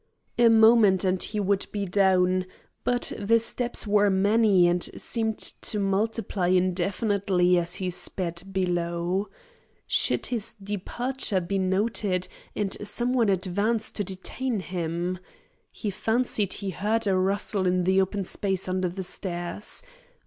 A moment and he would be down; but the steps were many and seemed to multiply indefinitely as he sped below. Should his departure be noted, and some one advance to detain him! He fancied he heard a rustle in the open space under the stairs.